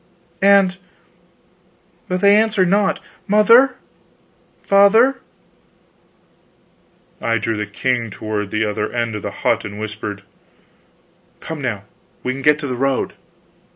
And but they answer not. Mother! father! " I drew the king toward the other end of the hut and whispered: "Come now we can get to the road."